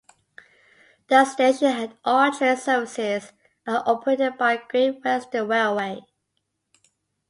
The station and all train services are operated by Great Western Railway.